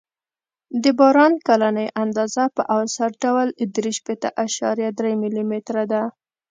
د باران کلنۍ اندازه په اوسط ډول درې شپېته اعشاریه درې ملي متره ده